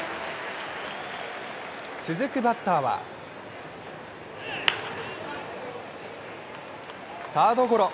続くバッターはサードゴロ。